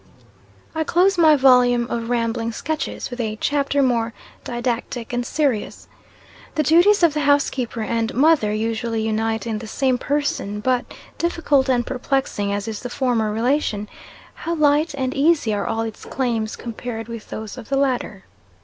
I CLOSE my volume of rambling sketches, with a chapter more didactic and serious. The duties of the housekeeper and mother, usually unite in the same person; but difficult and perplexing as is the former relation, how light and easy are all its claims compared with those of the latter.